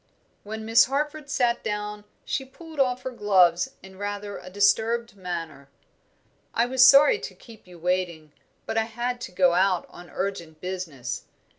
When Miss Harford sat down she pulled off her gloves in rather a disturbed manner. "I was sorry to keep you waiting, but I had to go out on urgent business.